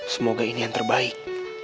semoga ini yang terbaik